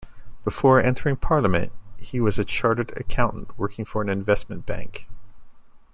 Before entering Parliament, he was a Chartered Accountant working for an investment bank.